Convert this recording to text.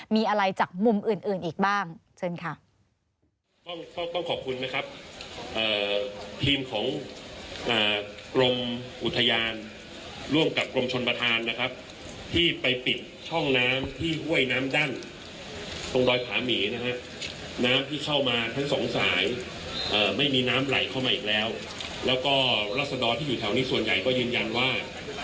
ไม่มีน้ำไหลเข้ามาอีกแล้วแล้วก็ลักษณะดอดที่อยู่แถวนี้ส่วนใหญ่ก็ยืนยันว่า